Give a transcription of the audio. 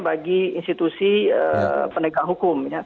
bagi institusi penegak hukum